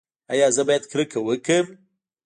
ایا زه باید کرکه وکړم؟